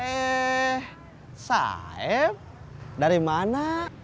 eh saem dari mana